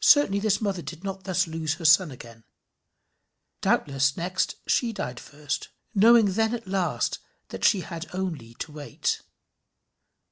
Certainly this mother did not thus lose her son again. Doubtless next she died first, knowing then at last that she had only to wait.